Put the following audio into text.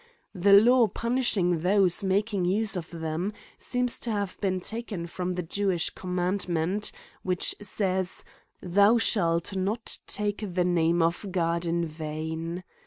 The law punishing those making use of them, seems to have been taken from the Jewish commandment, which says *' Jhou shalt not take the name of God in vain.